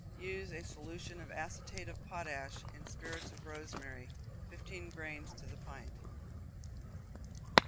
use a solution of acetate of potash in spirits of rosemary, fifteen grains to the pint.